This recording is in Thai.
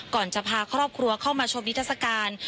ก่อนจะพาครอบครัวเข้ามาชมนิทัศกาล